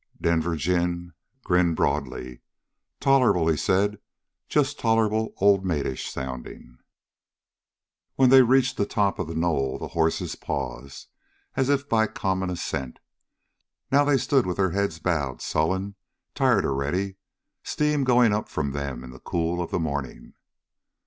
Denver Jim grinned broadly. "Tolerable," he said, "just tolerable old maidish sounding." When they reached the top of the knoll, the horses paused, as if by common assent. Now they stood with their heads bowed, sullen, tired already, steam going up from them into the cool of the morning.